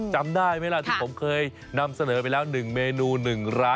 จำได้ไหมล่ะที่ผมเคยนำเสนอไปแล้ว๑เมนู๑ร้าน